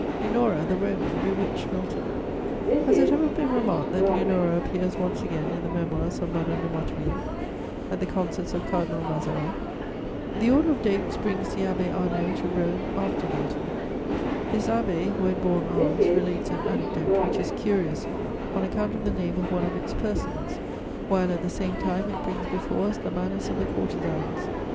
Leonora, the Roman, bewitched Milton. Has it ever been remarked that Leonora appears once again in the Memoirs of Madame de Motteville, at the concerts of Cardinal Mazarin? [Sidenote: Milton, the Abbé Arnold.] The order of dates brings the Abbé Arnauld to Rome after Milton. This abbé, who had borne arms, relates an anecdote which is curious on account of the name of one of its persons, while, at the same time, it brings before us the manners of the courtesans.